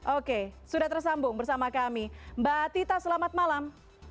oke sudah tersambung bersama kami mbak tita selamat malam